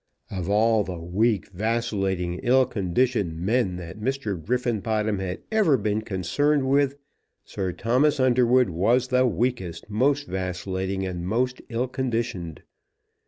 Of all the weak, vacillating, ill conditioned men that Mr. Griffenbottom had ever been concerned with, Sir Thomas Underwood was the weakest, most vacillating, and most ill conditioned.